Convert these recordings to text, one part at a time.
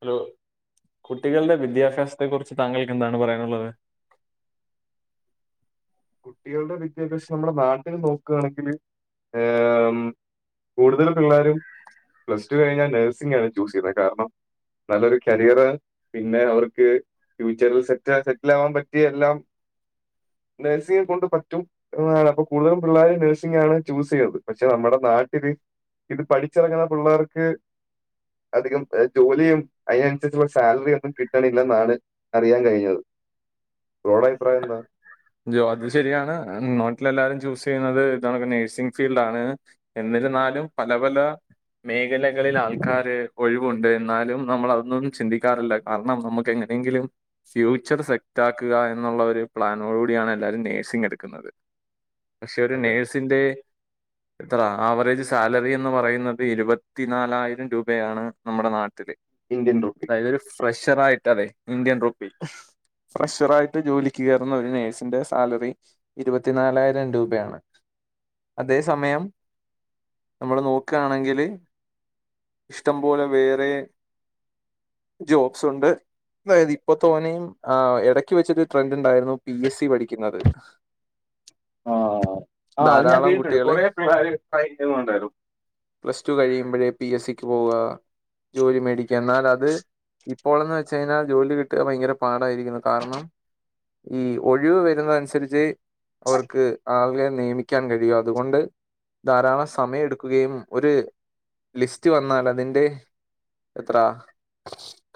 Hello കുട്ടികളുടെ വിദ്യാഭ്യാസത്തെ കുറിച്ച് താങ്കൾക്ക് എന്താണ് പറയാനുള്ളത്? കുട്ടികളുടെ വിദ്യാഭ്യാസം നമ്മുടെ നാട്ടിൽ നോക്കുകയാണെങ്കില് ഏഹ് കൂടുതലും പിള്ളേരും പ്ലസ് ടു കഴിഞ്ഞാൽ നഴ്സിംഗ് ആണ് ചൂസ് ചെയ്യുന്നത് കാരണം നല്ലൊരു കരിയർ പിന്നെ അവർക്ക് ഫ്യൂച്ചറിൽ സെറ്റ സെറ്റിൽ ആവാൻ പറ്റിയ എല്ലാം നഴ്സിംഗ് കൊണ്ട് പറ്റും. ഓ അപ്പൊ കൂടുതലും പിള്ളേര് നഴ്സിംഗ് ആണ് ചൂസെയ്തത് പക്ഷെ നമ്മുടെ നാട്ടില് ഇത് പഠിച്ച് ഇറങ്ങണ പിള്ളേർക്ക് അധികം എ ജോലിയും അയിനനുസരിച്ചുള്ള സാലറി ഒന്നും കിട്ടണില്ലെന്നാണ് അറിയാൻ കഴിഞ്ഞത് ബ്രോടെ അഭിപ്രായം എന്താ? ജോ അത് ശരിയാണ് നോട്ടിൽ എല്ലാരും ചൂസ് ചെയ്യുന്നത് ഇതാണക്ക്‌ നഴ്സിംഗ് ഫീൽഡാണ്. എന്നിരുന്നാലും പല പല മേഖലകളിൽ ആൾക്കാര് ഒഴിവുണ്ട് ന്നാലും നമ്മളതൊന്നും ചിന്തിക്കാറില്ല. കാർണം നമുക്ക് എങ്ങനെങ്കിലും ഫ്യൂച്ചർ സെറ്റാക്കുക എന്നുള്ള ഒരു പ്ലാൻ നോട് കൂടി ആണ് എല്ലാരും നഴ്സിംഗ് എടുക്കുന്നത്, പക്ഷെ ഒരു അതെ അതെ നേഴ്സിന്റെ ഇത്ര ആവറേജ് സാലറി എന്ന് പറയുന്നത് ഇരുപത്തി നാലായിരം രൂപയാണ് നമ്മുടെ നാട്ടില്. ഇന്ത്യൻ റുപ്പി അതായതൊരു ഫ്രഷറായിട്ടറെ ഇന്ത്യൻ റുപ്പി ഫ്രഷറായിട്ട് ജോലിക്ക് കേർ ഇതൊന്നൊരു ഒരു നഴ്സിന്റെ സാലറി ഇരുപത്തിനാലായിരം രൂപയാണ്. അതേ സമയം നമ്മള് നോക്കാണെങ്കില് ഇഷ്ടം പോലെ വേറെ ജോബ്സ് ഉണ്ട് അതായത് ഇപ്പൊ തോനയും ആ എടക്ക് വെച്ചിട്ടരു ട്രെൻഡ് ഉണ്ടായിരുന്നു പി എസ് സി പഠിക്കുന്നത്. ആഹ് ആഹ് അത് ഞാൻ ധാരാളം കേട്ടിട്ടുണ്ട് കുട്ടികൾ കൊറെ പിള്ളേര് പഠിക്കിന്നുണ്ടായിരുന്നു പ്ലസ്ടു കഴിയുമ്പോഴേ പി എസ് സി ക്ക് പോവ ജോലി മേടിക്ക എന്നാലത്. ഇപ്പോളെന്ന് വെച്ച് കഴിഞ്ഞാ ജോലി കിട്ടുക ഭയങ്കര പാടായിരിക്കുന്നു കാരണം ഈ ഒഴിവ് വരുന്നെ അനുസരിച്ചെ അവർക്ക് ആളുകളെ നിയമിക്കാൻ കഴിയു അതുകൊണ്ട് ധാരാളം സമയം എടുക്കുകയും ഒരു ലിസ്റ്റ് വന്നാൽ അതിന്റെ എത്ര?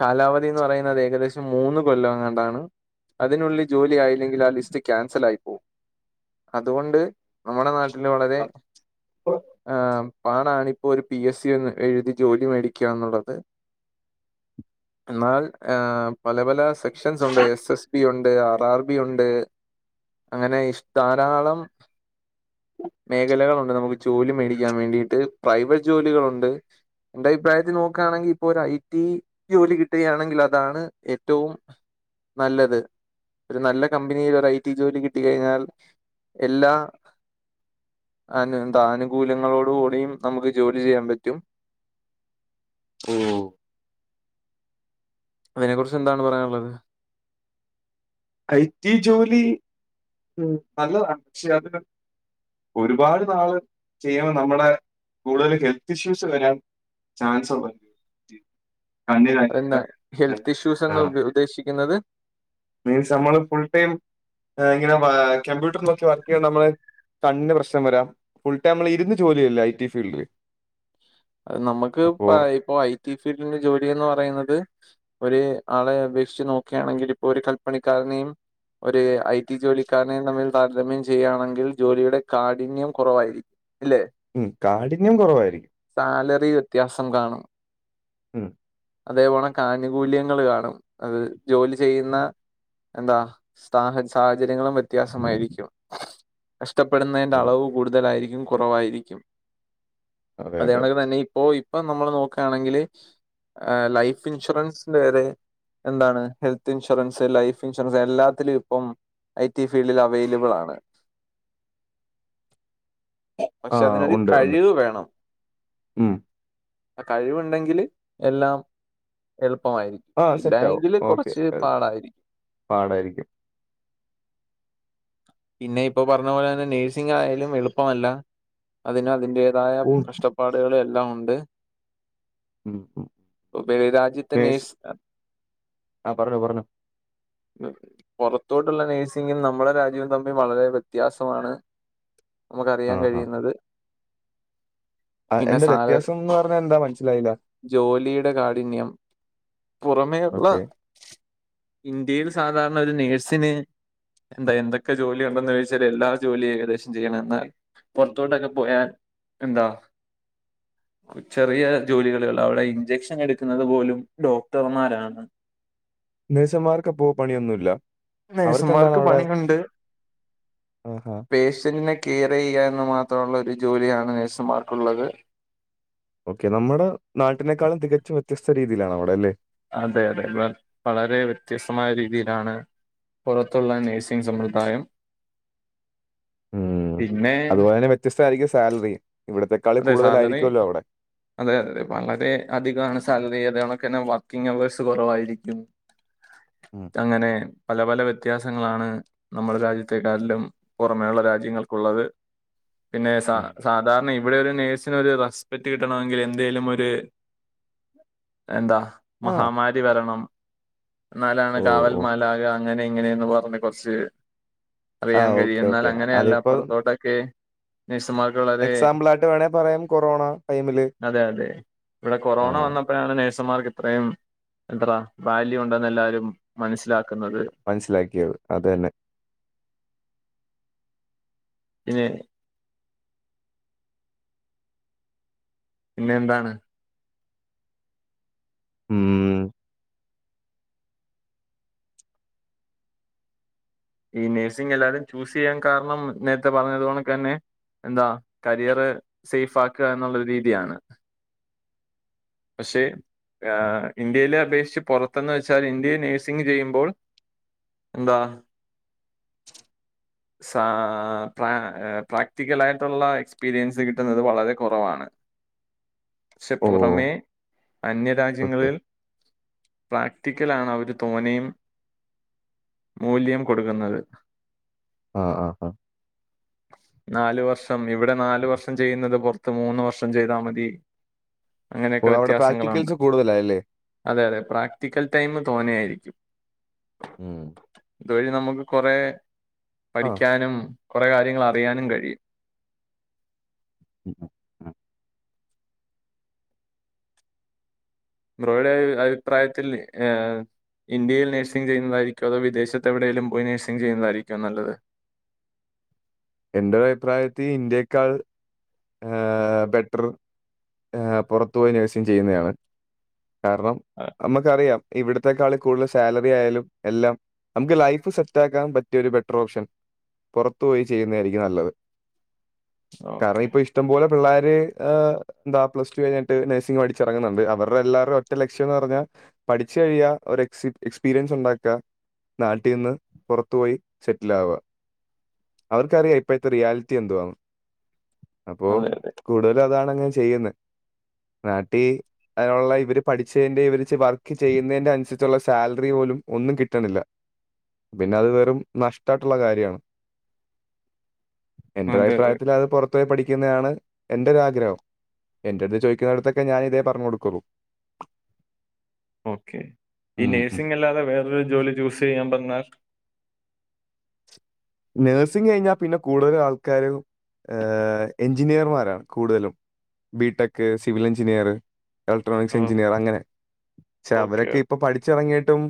കാലാവധി ന്ന് പറയുന്നത് ഏകദേശം മൂന്ന് കൊല്ലംങ്ങാണ്ടാണ് അതിനുള്ളി ജോലി ആയില്ലെങ്കില് ആ ലിസ്റ്റ് ക്യാൻസലായി പോവും അതുകൊണ്ട് നമ്മുടെ നാട്ടി പിന്നെ വളരെ അപ്പൊ ഏ പാടാണി ഇപ്പൊരു പി എസ് സി എന്ന് എഴുതി ജോലി മേടിക്യാ എന്നുള്ളത് എന്നാൽ ഏ പല പല സെക്ഷൻസ് ഉണ്ട് എസ് എസ് പി ഉണ്ട് ആ ബാർബി ഉണ്ട് അങ്ങനെ ഇഷ് ധാരാളം മേഖലകളുണ്ട് നമുക്ക് ജോലി മേടിക്കാൻ വേണ്ടിയിട്ട് പ്രൈവറ്റ് ജോലികളുണ്ട് ന്റെ അഭിപ്രായത്തില് നോക്കാ ണെങ്കില് ഇപ്പോരു ഐ ടി ഈ ജോലി കിട്ടുകയാണെങ്കിൽ അതാണ് ഏറ്റവും നല്ലത് ഒരു നല്ല കമ്പനിയി ഒരു ഐ ടി ജോലി കിട്ടി കഴിഞ്ഞാൽ എല്ലാ അനു ന്താനുകൂല്യങ്ങളോട് കൂടിയും നമുക്ക് ജോലി ചെയ്യാൻ പറ്റും ഓ.. അയിനെ കുർച്ച് എന്താണ് പറയാനുള്ളത് ഐ ടി ജോലി ഉം നല്ലതാ പക്ഷെ അത് ഒരുപാട് നാള് ചെയ്യണ നമ്മളെ കൂടുതൽ ഹെൽത്ത് ഇഷ്യൂസ് വരാൻ ചാൻസുണ്ട് അത് എന്നാ ഹെൽത്ത് ഇഷ്യൂസ് എന്ന് ആഹ്. ഉദ്ദേശിക്കുന്നത് മീൻസ് നമ്മള് ഫുൾ ടൈം ങ്ങനെ കമ്പ്യൂട്ടർ നോക്കി വർക്ക്യ്യേണ്ടേ മ്മള് കണ്ണിന് പ്രശ്നം വരാം ഫുൾടൈം മ്മള് ഇരുന്ന് ജോലിയെല്ലേ ഐ ടി ഫീൽഡില് അത് നമ്മക്ക് അപ്പോ ഇപ്പൊ ഇപ്പൊ ഐ ടി ഫീൽഡിന്റെ ജോലിന്ന് പറയുന്നത് ഒര് ആളെ അപേക്ഷിച്ച് നോക്കാ ണെങ്കില് ഇപ്പൊ ഒരു കൽപ്പണിക്കാരനെയും ഒരു ഐ ടി ജോലിക്കാരനെയും തമ്മിൽ താരതമ്യം ചെയ്യാണെങ്കിൽ ജോലിയുടെ കാഠിന്യം കൊറവായിരിക്കും ഇല്ലേ ഉം കാഠിന്യം കൊറവായിരിക്കും സാലറി വ്യത്യാസം കാണും ഉം അതേപോണ കാനുകൂല്യങ്ങള് കാണും അത് ജോലി ചെയ്യുന്ന എന്താ സാഹ സാഹചര്യങ്ങളും വ്യത്യാസമായിരിക്കും. കഷ്ടപ്പെടുന്നതിന്റെ അതെ. അളവ് കൂടുതലായിരിക്കും കുറവായിരിക്കും. അതെ അതെ. അതെയണക്ക് തന്നെ ഇപ്പോ ഇപ്പൊ നമ്മള് നോക്കുയാണെങ്കില് ആ ലൈഫ് ഇൻഷുറൻസിന്റെ വരെ എന്താണ് ഹെൽത്ത് ഇൻഷുറൻസ് ലൈഫ് ഇൻഷുറൻസ് എല്ലാത്തിലും ഇപ്പം ഐ ടി ഫീൽഡിൽ അവൈലബിൾ ആണ്. പക്ഷെ ആഹ് അതിനൊരു ഉണ്ട് ഉണ്ട്. കഴിവ് വേണം. ഉം. ആ കഴിവുണ്ടെങ്കില് എല്ലാം എളുപ്പമായിരി ആഹ് ഇല്ല സെറ്റാവും. എങ്കില് ഓക്കെ. കുറച്ച് പാടായിരിക്കും. പാടായിരിക്കും. പിന്നെ ഇപ്പൊ പറഞ്ഞ പോലെ തന്നെ നേഴ്സിംഗ്ആയാലും എളുപ്പമല്ല. അതിനും അതിന്റെ തായ ഉം. കഷ്ടപ്പാടുകൾ എല്ലാം ഉണ്ട്. ഉം. [unintelligible] രാജ്യത്തെ നേഴ്സ് ആഹ് പറഞ്ഞോ പറഞ്ഞോ. പുറത്തോട്ടുള്ള നേഴ്സിങ്ങും നമ്മുടെ രാജ്യവും തമ്മിൽ വളരെ വ്യത്യാസമാണ്. നമ്മുക്ക് ആ അറിയാൻ ആ കഴിയുന്നത്. ആ പിന്നെ എന്റെ സാലറി വ്യത്യാസം എന്ന് പറഞ്ഞാൽ എന്താ മനസ്സിലായില്ല? ജോലിയുടെ കാഠിന്യം പുറമേയുള്ള ഓക്കെ ഇന്ത്യയിൽ സാധാരണ ഒരു നേഴ്സിന് എന്താ എന്തൊക്കെ ജോലി ഉണ്ടെന്ന് ചോദിച്ചാൽ എല്ലാ ജോലിയും ഏകദേശം ചെയ്യണം എന്നാൽ പുറത്തോട്ടൊക്കെ പോയാൽ എന്താ ചെറിയ ജോലികള് അവിടെ ഇഞ്ചക്ഷൻ എടുക്കുന്നത് പോലും ഡോക്ടർമാരാണ്. നഴ്സുമാർക്ക് അപ്പോ പണിയൊന്നുല്ല. നഴ്സുമാർക്ക് പണിയുണ്ട് ആഹാ പേഷ്യന്റിനെ കെയർ ചെയ്യുക എന്ന് മാത്രമുള്ള ഒരു ജോലിയാണ് നേഴ്സുമാർക്കുള്ളത്. ഓക്കെ നമ്മുടെ നാട്ടിനേക്കാളും തികച്ചും വ്യത്യസ്ത രീതിയിലാണ് അവിടെ അല്ലേ? അതെ അതെ വ വളരെ വ്യത്യസ്തമായ രീതിയിലാണ് പുറത്തുള്ള നഴ്സിംഗ് സമ്പ്രദായം ഉം. പിന്നെ അതുപോലെ തന്നെ വ്യത്യസ്തമായിരിക്കും സാലറിയും. അതെ സാലറി അതെ അതെ വളരെ അധികമാണ് സാലറി. അതെണ്ക്ക് തന്നെ വർക്കിംഗ് അവേഴ്സ് കുറവായിരിക്കും. [inaudible] [inaudible] അങ്ങനെ പല പല വ്യത്യാസങ്ങളാണ് നമ്മുടെ രാജ്യത്തെേക്കാട്ടിലും പുറമേ ഉള്ള രാജ്യങ്ങൾക്കുള്ളത് പിന്നെ സ ഉം. സാധാരണ ഇവിടെ ഒരു നേഴ്സിന് ഒരു റെസ്പെക്ട് കിട്ടണമെങ്കിൽ എന്തേലും ഒരു എന്താ ആ മഹാമാരി വരണം എന്നാലാണ് ഓ കാവൽ ഓ മലാഖ അങ്ങനെ ഇങ്ങനെയന്ന് പറഞ് കുറച്ച് ആ അറിയാൻ കഴിയും. ഓക്കെ എന്നാൽ ഓക്കെ അങ്ങനെയല്ല അതിപ്പോ പുറത്തോട്ട് ക്കെ നേഴ്സുമാ എക്സാമ്പിൾ ആയിട്ട് വേണേ പറയാം കൊറോണ ടൈമില് അതെ അതെ ഇവിടെ ആ കൊറോണ വന്ന അപ്പഴാണ് നേഴ്സുമാർക്ക് ഇത്രയും എത്ര വാല്യൂ ഉണ്ടെന്ന് എല്ലാരും മനസ്സിലാക്കുന്നത്. മനസ്സിലാക്കിയത് അത് തന്നെ. പിന്നെ പിന്നെ എന്താണ്? ഉം. ഈ നഴ്സിംഗ്എല്ലാവരും ചൂസ് ചെയ്യാൻ കാരണം നേരത്തെ പറഞ്ഞപോണക്ക്തന്നെ എന്താ കരിയറ് സേഫ് ആക്കുക എന്നുള്ള ഒരു രീതിയാണ്. പക്ഷേ ഇന്ത്യയില് അപേക്ഷിച്ച് പുറത്തെന്ന് വെച്ചാൽ ഇന്ത്യയിൽ നേഴ്സിങ് ചെയ്യുമ്പോൾ എന്താ- സാ പ്ര പ്രാക്ടിക്കലായിട്ടുള്ള എക്സ്പീരിയൻസ് കിട്ടുന്നത് വളരെ കുറവാണ്. ക്ഷെ ഓ പുറമേ ഓക്കെ അന്യരാജ്യങ്ങലിൽ പ്രാക്ടിക്കലാണ് അവർ തോനെ മൂല്യം കൊടുക്കുന്നത് ആഹ് ആഹ് നാല് വർഷം ഇവിടെ നാലു വർഷം ചെയ്യുന്നത് പുറത്ത് മൂന്ന് വർഷം ചെയ്താ മതി ഓ അങ്ങനെയൊക്കെ അവിടെ വ്യത്യാസങ്ങളുണ്ട് പ്രാക്ടിക്കൽസ് കൂടുതലായല്ലേ അതെ അതെ പ്രാക്ടിക്കൽ ടൈം തോനെയായിരിക്കും മ്മ്ഹ് ഇതുവഴി നമുക്ക് കുറേ ആ പഠിക്കാനും കുറേ കാര്യങ്ങൾ അറിയാനും കഴിയും [inaudible] ബ്രോയ്ടെ അഭിപ്രായത്തിൽ ഏഹ് ഇന്ത്യയിൽ നഴ്സിംഗ് ചെയ്യുന്നതായിരിക്കൊ അതോ വിദേശത്തെ എവിടേലും പോയി നഴ്സിങ് ചെയുന്നതാരിക്കോ നല്ലത് എന്റൊരു അഭിപ്രായത്തി ഇന്ത്യേക്കാൾ ഏഹ് ബെറ്റർ ഏഹ് പുറത്തു പോയി നഴ്സിംഗ് ചെയ്യുന്നതാണ് കാരണം നമുക്കറിയാം ഇവിടത്തെക്കാൾ കൂടുതൽ സാലറിയായാലും എല്ലാം നമുക്ക് ലൈഫ് സെറ്റാക്കാൻ പറ്റിയ ഒരു ബെറ്റർ ഓപ്ഷൻ പുറത്തു പോയി ചെയ്യുന്നാരിക്കും നല്ലത് കാരണം ഓക്കെ ഇപ്പൊ ഇഷ്ടം പോലെ പിള്ളാര് എന്താ പ്ലസ് ടു കഴിഞ്ഞിട്ട് നഴ്സിംഗ് പഠിച്ചിറങ്ങുന്നുണ്ട് അവടെല്ലാവരുടെ ഒറ്റ ലക്ഷ്യന്ന് പറഞ്ഞാ പഠിച്ച് കഴിയ ഒരു എക്സ് എക്സ്പീരിയൻസ് ഉണ്ടാക്കുക നാട്ടീന്ന് പുറത്തു പോയി സെറ്റിലാവ അവർക്കറിയാം ഇപ്പഴത്തെ റിയാലിറ്റി എന്തുവാന്ന് അപ്പോ അതെ അതെ കൂടുതലുഅതാണങ്ങ് ചെയ്യ്ന്നെ നാട്ടീ അ ഉള്ള ഇവര് പഠിച്ചതിന്റെ, ഇവര് വർക്ക് ചെയ്യുന്നതിന്റെ അനുസരിച്ചുള്ള സാലറി പോലും ഒന്നും കിട്ടണില്ല. പിന്നെ അത് വെറും നഷ്ടായിട്ടുള്ള കാര്യാണ്. എന്റൊരു അതെ അതെ അഭിപ്രായത്തിലത് പൊറത്തോയി പഠി [unintelligible] യാണ് എൻ്റൊരാഗ്രഹം. എൻ്റടുത്ത് ചോദിക്കുന്നിടുത്തൊക്കെ ഞാനിതേ പറഞ്ഞു കൊടുക്കുള്ളൂ. [inaudible] ഓക്കെ, ഈ നേഴ്സിംഗല്ലാതെ വേറൊരു ജോലി ചൂസെയ്യാൻ പറഞ്ഞാൽ നഴ്സിംഗ് കഴിഞ്ഞാ പിന്നെ, കൂടുതലും ആൾക്കാരും ഏഹ് എഞ്ചിനീയർമാരാണ് കൂടുതലും. ബിടെക്, സിവിൽ എഞ്ചിനീയറ്, ഇലക്ട്രോണിക്സ് ഓ എഞ്ചിനീയർ അങ്ങനെ, പക്ഷെ ഓക്കെ അവരൊക്കെ ഓക്കെ ഇപ്പ പഠി ച്ചിറങ്ങിയിട്ടും,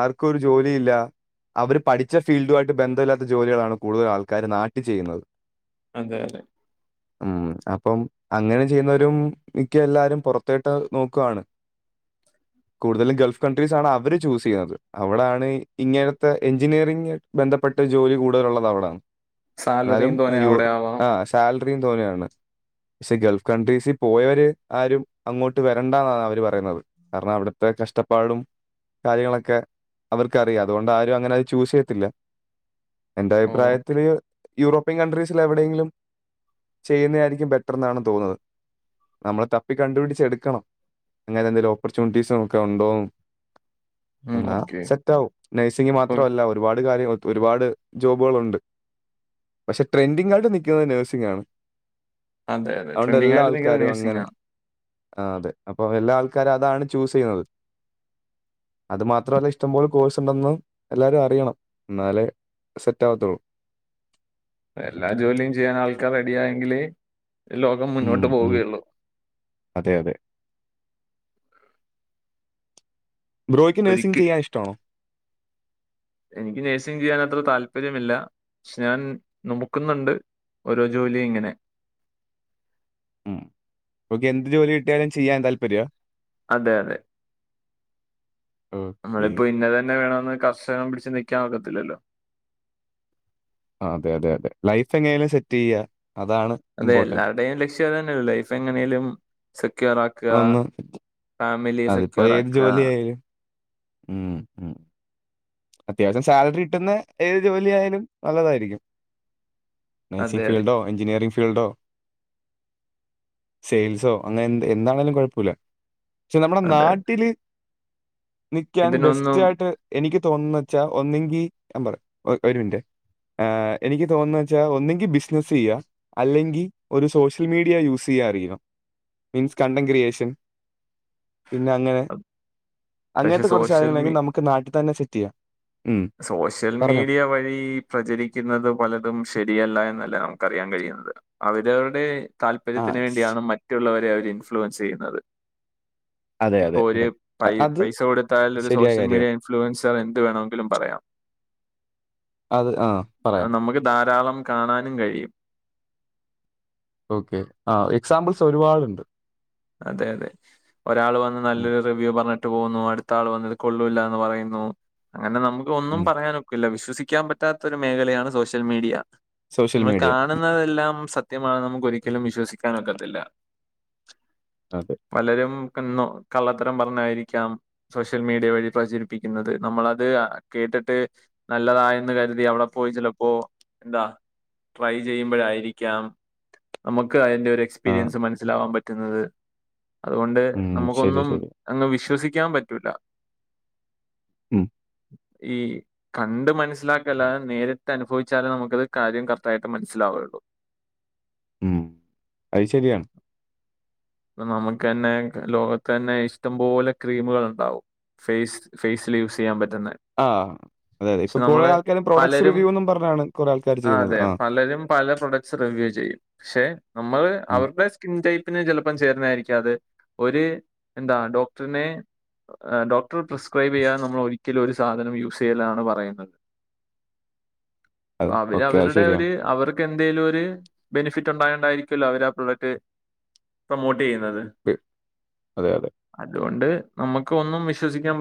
ആർക്കും ഒരു ജോലിയില്ല. അവര് പഠിച്ച ഫീൽഡു ബന്ധമില്ലാത്ത ജോലികളാണ് കൂടുതലാൾക്കാര് നാട്ടി ചെയ്യുന്നത്. അതെ അതെ. ഉം അപ്പം അങ്ങനെ ചെയ്യുന്നവരും മിക്ക എല്ലാരും, പുറത്തേട്ട് നോക്കുവാണ്. [inaudible] കൂടുതലും ഗൾഫ് കൺട്രീസാണ് അവര് ചൂസെയ്യുന്നത്. അവിടാണ് ഇങ്ങനത്തെ എഞ്ചിനീയറിംഗ് ബന്ധപ്പെട്ട് ജോലി കൂടുതലുള്ളത് അവ ഇതാണ്. ന്നാലും സാലറിയും തോനെ അയ്യൂ അവിടെ ആവാം ആഹ് സാൽറിയും തോനെയാണ്. ക്ഷെ, ഗൾഫ് കൺട്രീസി പോയവര് ആരും അങ്ങോട്ട് വരണ്ടാന്നാണ് അവര് പറയുന്നത് കാരണം, അവിടത്തെ കഷ്ടപ്പാടും കാര്യങ്ങളൊക്കെ അവർക്കറിയാ, അതുകൊണ്ട് ആരും അങ്ങനെ അത് ചൂസെയ്യത്തില്ല. ഓക്കെ എന്റെഭിപ്രായത്തില്, യൂറോപ്യൻ കൺട്രീസില് എവിടെയെങ്കിലും ചെയ്യുന്നെയായിരിക്കും ബെറ്റർ ന്നാണ് തോന്നുന്നത്. നമ്മള് തപ്പി കണ്ടുപിടിച്ചെടുക്കണം. അങ്ങനെന്തെങ്കിലും ഓപ്പർച്യുനിറ്റീസ് നോക്ക ഉ- ണ്ടോന്ന് എന്നാ ഓക്കെ സെറ്റാവും. നഴ്സിംഗ് ഇപ്പൊ മാത്രവല്ല ഒരുപാട് കാര്യങ്ങൾ, ഒരുപാട് ജോബുകളുണ്ട്. പക്ഷെ ട്രെൻഡിംങ്ങായിട്ട് നിക്കുന്നത് നഴ്സിങ്ങാണ്. അതെ അതെ അതോണ്ട് ട്രെൻഡിങ് എല്ലാ ആയിട്ട് നിൽക്കുന്ന ആൾക്കാരും നഴ്സിംഗ് അങ്ങനെ ആണ് ആഹ് അതെ, അപ്പൊ എല്ലാ ആൾക്കാരും അതാണ് ചൂസെയ്യുന്നത്. അത് മാത്രമല്ല, ഇഷ്ടംപോലെ കോഴ്സുണ്ടെന്ന് എല്ലാരും അറിയണം. ന്നാലേ സെറ്റാകത്തുള്ളൂ. എല്ലാ ജോലിയും ചെയ്യാൻ ആൾക്കാർ റെഡി ആയെങ്കിലേ ലോകം ഉം മുന്നോട്ട് ഉം. പോവുകയുള്ളൂ അതെ അതെ. ബ്രോയ്ക്ക് നഴ്സിംഗ് ഒരിക്ക് ചെയ്യാൻ ഇഷ്ടാണോ? എനിക്ക് നഴ്സിംഗ് ചെയ്യാൻ അത്ര താല്പര്യമില്ല. ക്ഷെ ഞാൻ നോക്കുന്ന്ണ്ട് ഓരോ ജോലി ഇങ്ങനെ ഉം. ബ്രോക്ക് എന്ത് ജോലി കിട്ടിയാലും ചെയ്യാൻ താല്പര്യ? അതെ അതെ, ഓക്കെ നമ്മളിപ്പോ ഇന്നതന്നെ വേണമെന്ന് കർശ നം പിടിച്ച് നിക്കാനൊക്കത്തില്ലല്ലോ. ആഹ് അതെ അതെ അതെ. ലൈഫ് എങ്ങനെയേലും സെറ്റെയ്യ അതാണ് അതെ, ഇമ്പോർട്ടൻറ്റ് എല്ലാവരുടെേയും ലക്ഷ്യം അത് തന്നെയല്ലെ. ലൈഫ് എങ്ങനെയേലും സെക്യൂറാ ഒന്ന് [unintelligible] അത്പ്പോ ഏത് ആക്കുക ജോലിയായാലും ഉം ഉം അത്യാവശ്യം സാലറി കിട്ടുന്ന ഏത് ജോലിയാലും നല്ലതായിരിക്കും. അതെ നഴ്സിംഗ് അതെ ഫീൽഡോ, എഞ്ചിനീയറിംഗ് ഫീൽഡോ സെയിൽസോ അങ്ങനെ എന്ത എന്താണേലും കൊഴപ്പല്ല. ക്ഷെ നമ്മുടെ അതെ അതെ നാട്ടില് നിക്കാൻ ഇതിനൊന്നും ബെസ്റ്റായിട്ട് എനിക്ക് തോന്നുന്നെച്ചാ ഒന്നെങ്കി, ഞാൻ പറയാം ഒ ഒരു മിനിറ്റ് ഏഹ്, എനിക്ക് തോന്നുന്ന വെച്ചാ, ഒന്നെങ്കി ബിസിനസ്സെയ്യാ അല്ലെങ്കി, ഒരു സോഷ്യൽ മീഡിയ യൂസെയ്യാറിയണം. മീൻസ് കണ്ടൻ ക്രിയേഷൻ പിന്നെങ്ങനെ, പക്ഷെ അങ്ങൻത്തെ കൊറച്ച് സോഷ്യൽ കാര്യങ്ങളെങ്കി മീ നമുക്ക് നാട്ടി ത്തന്നെ സെറ്റെയ്യാം. സോഷ്യൽ മീഡിയ വഴി- പ്രചരിക്കുന്നത് പലതും ശരിയല്ല എന്നല്ല നമുക്കറിയാൻ കഴിയുന്നത് അവരവരുടെ- ആ താല്പര്യത്തിന് ശ്- വേണ്ടിയാണ് മറ്റുള്ളവരെ അവര് ഇൻഫ്ലുവൻസ് ചെയ്യുന്നത്. അതെ ഇപ്പൊ അതെ ഒരു അതെ പൈ അ- അത് പൈസ കൊടുത്താൽ ഒരു ശരിയായ സോഷ്യൽ മീഡിയ കാര്യമാണ് ഇൻ ഇൻഫ്ലുവൻസർ എന്ത് വേണമെങ്കിലും പറയാം. അത് ആ പറയാം നമുക്ക് ധാരാളം കാണാനും കഴിയും. ഓക്കേ ആ എക്സാമ്പിൾസ് ഒരുപാടുണ്ട്. അതെ അതെ ഒരാൾ വന്ന് ഉം. നല്ലൊരു റിവ്യൂ പറഞ്ഞിട്ട് പോകുന്നു അടുത്ത മറ്റേ ആൾ വന്ന് ഇത് കൊള്ളൂല്ല എന്ന് പറയുന്നു അങ്ങനെ നമുക്ക് ഒന്നും ഉം. പറയാൻ ഒക്കില്ല വിശ്വസിക്കാൻ പറ്റ- പറ്റാത്ത ഒരു മേഖലയാണ് സോഷ്യൽ മീഡിയ സോഷ്യൽ നമ്മൾ മീഡിയ കാണുന്നത്. എല്ലാം സത്യമാണ് നമുക്ക് ഒരിക്കലും വിശ്വസിക്കാൻ ഒക്കത്തില്ല. അതെ. പലരും എന്നോ കള്ളത്തരം പറഞ്ഞായിരിക്കാം. സോഷ്യൽ മീഡിയ വഴി പ്രചരിപ്പിക്കുന്നത് നമ്മളത് കേട്ടിട്ട്- നല്ലതായെന്ന് കരുതി അവിടെ പോയി ചിലപ്പോ എന്താ- ട്രൈ ചെയ്യുമ്പോഴായിരിക്കാം നമുക്ക് അതിന്റെ ഒരു ആ എക്സ്പീരിയൻസ് മനസ്സിലാവാൻ പറ്റുന്നത്. അതുകൊണ്ട് ഉം, ശരി നമുക്കൊന്നും ശരി അങ്ങ് വിശ്വസിക്കാൻ പറ്റൂല്ല. ഉം. ഈ. കണ്ട് മനസ്സിലാക്കല്ലാതെ നേരിട്ട് അനുഭവിച്ചാലേ നമുക്കത് കാര്യം കറക്റ്റായിട്ട് മനസ്സിലാവുകയുള്ളൂ. ഉം അത് ശരിയാണ്. ഇപ്പൊ നമുക്ക് തന്നെ ലോകത്ത് തന്നെ ഇഷ്ടംപോലെ ക്രീമുകൾ ഉണ്ടാവും. ഫേസ് ഫേസിൽ യൂസ് ചെയ്യാൻ പറ്റുന്നെ ആ് അതെ അതെ ഇപ്പൊ കൊറെ ആൾക്കാരും പ്രൊഡക്ട്സ് പലരും റിവ്യൂന്നും പറഞ്ഞാണ് കുറേ ആൾക്കാര് ചെയ്യുന്നത് അതെ ആ- പലരും പല പ്രോഡക്ട്സ് റിവ്യൂ ചെയ്യും പക്ഷെ നമ്മൾ ഉം. അവരുടെ സ്കിൻ ടൈപ്പിന് ചിലപ്പോ- ചേർന്നായിരിക്കാം അത് ഒരു എന്താ ഡോക്ടറിനെ- ഡോക്ടർ പ്രിസ്ക്രൈബ് ചെയ്യാതെ നമ്മൾ ഒരിക്കലും ഒരു സാധനം യൂസ് ചെയ്യലാണ് പറയുന്നത്. അതും അവര് ഓക്കെ അത് അവരുടെ ഒരു ശരിയാണ് അവർക്ക്- അവർക്ക് എന്തേലും ഒരു ബെനിഫിറ്റ് ഉണ്ടായോണ്ടായിരിക്കല്ലോ അവര് ആ പ്രോഡക്റ്റ്- പ്രൊമോട്ട് ചെയ്യുന്നത് അതെ അതെ അതുകൊണ്ട് നമുക്ക് ഒന്നും വിശ്വസിക്കാൻ പറ്റില്ല